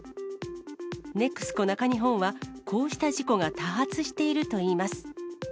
ＮＥＸＣＯ中日本は、こうした事故が多発しているといいます。